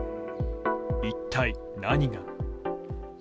一体何が。